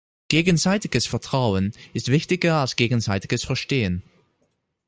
Gegenseitiges Vertrauen ist wichtiger als gegenseitiges Verstehen.